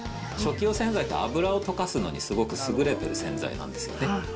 食器用洗剤って油を溶かすのにすごく優れてる洗剤なんですよね。